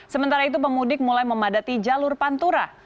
sementara itu pemudik mulai memadati jalur pantura